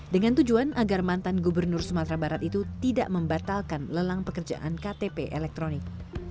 dengan tujuan agar mantan gubernur sumatera barat itu tidak membatalkan lelang pekerjaan ktp elektronik